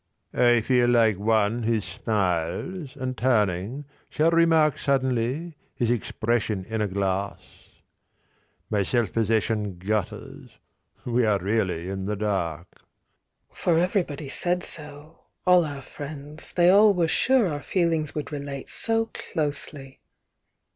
I feel like one who smiles, and turning shall remark Suddenly, his expression in a glass. My self possession gutters; we are really in the dark. "For everybody said so, all our friends, They all were sure our feelings would relate So closely!